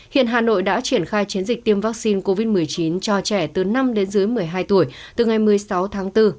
hiện hà nội đã triển khai chiến dịch tiêm vaccine covid một mươi chín cho trẻ từ năm đến dưới một mươi hai tuổi từ ngày một mươi sáu tháng bốn